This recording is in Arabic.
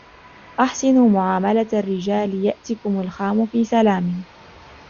أحسنوا معاملة الرجال ، يأتِكم الخام في سلام.